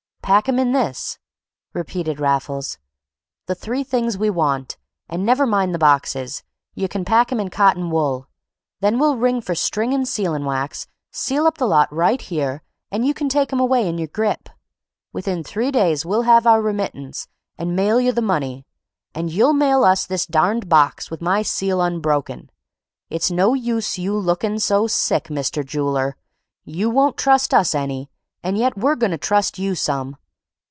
"Pack 'em in this," repeated Raffles, "the three things we want, and never mind the boxes; you can pack 'em in cotton wool. Then we'll ring for string and sealing wax, seal up the lot right here, and you can take 'em away in your grip. Within three days we'll have our remittance, and mail you the money, and you'll mail us this darned box with my seal unbroken! It's no use you lookin' so sick, Mr. Jooler; you won't trust us any, and yet we're goin' to trust you some.